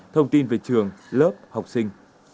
thông tin về trường lớp học sinh